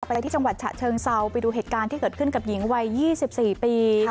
ที่จังหวัดฉะเชิงเซาไปดูเหตุการณ์ที่เกิดขึ้นกับหญิงวัย๒๔ปี